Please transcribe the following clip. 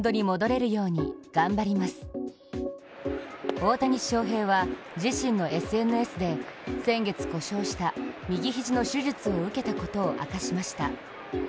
大谷翔平は自身のＳＮＳで先月故障した右ひじの手術を受けたことを明かしました。